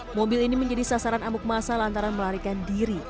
mobil ini menjadi sasaran amuk masa lantaran melarikan diri